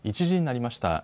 １時になりました。